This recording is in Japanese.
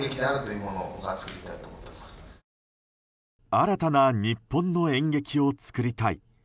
新たな日本の演劇を作りたい。